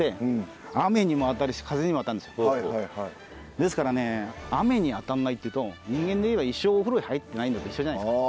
ですからね雨に当たんないっていうと人間でいえば一生お風呂へ入ってないのと一緒じゃないですか。